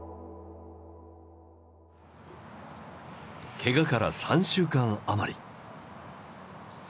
けがから３週間余り。